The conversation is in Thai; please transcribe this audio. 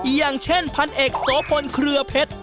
อย่างเช่นพันเอกโสพลเครือเพชร